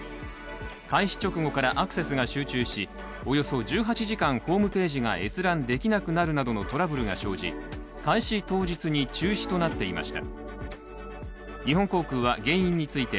開始直後からアクセスが集中しおよそ１８時間ホームページが閲覧できなくなるなどのトラブルが生じ、開始当日に中止となっていました。